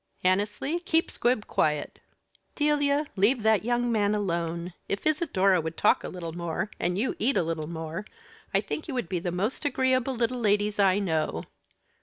"Annesley, keep Squib quiet." "Delia, leave that young man alone. If Isidora would talk a little more, and you eat a little more, I think you would be the most agreeable little ladies I know.